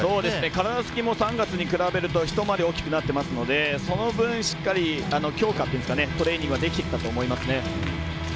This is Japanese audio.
体つきも３月に比べると一回り大きくなっているのでその分強化っていうんですかトレーニングはできてきたと思います。